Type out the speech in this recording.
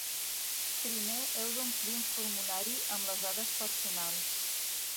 Primer heu d'omplir un formulari amb les dades personals.